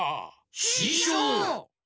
ししょう！